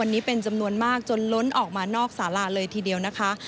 วันนี้เป็นจำนวนมากจนล้นออกมานอกสาราเลยทีเดียวนะคะ